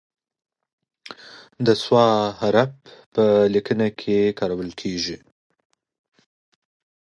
د "ص" حرف په لیکنه کې کارول کیږي.